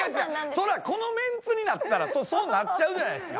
そりゃこのメンツになったらそうなっちゃうじゃないですか。